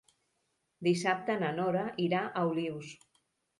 Dissabte na Nora irà a Olius.